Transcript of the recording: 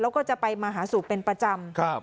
แล้วก็จะไปมาหาสู่เป็นประจำ